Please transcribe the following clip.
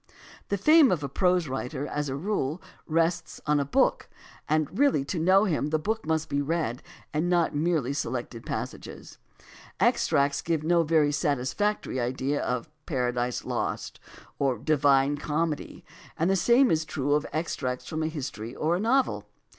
The fame of a prose writer, as a rule, rests on a book, and really to know him the book must be read and not merely selected passages. Extracts give no very satisfactory idea of Paradise Lost or The Divine Comedy, and the same is true of extracts from a history or a novel.